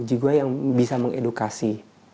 jiwa yang bisa mengedukasi